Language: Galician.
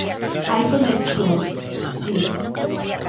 Hai conexións, si.